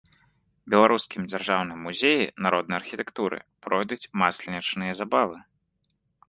Беларускім дзяржаўным музеі народнай архітэктуры пройдуць масленічныя забавы.